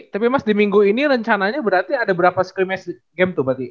tapi mas di minggu ini rencananya berarti ada berapa screens game tuh berarti